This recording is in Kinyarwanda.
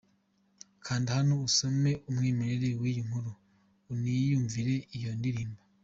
Kanda hano usome umwimerere w’iyi nkuru uniyumvire iyo ndirimbo.